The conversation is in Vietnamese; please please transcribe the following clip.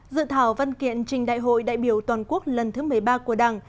dự thảo văn kiện trình đại hội đại biểu toàn quốc lần thứ một mươi ba của đảng